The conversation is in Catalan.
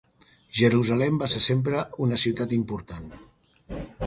Jerusalem va ser sempre una ciutat important?